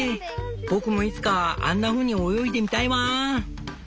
僕もいつかあんなふうに泳いでみたいわぁん」。